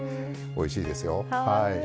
おいしいですよ。